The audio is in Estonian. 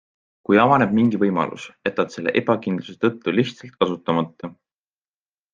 Kui avaneb mingi võimalus, jätad selle ebakindluse tõttu lihtsalt kasutamata.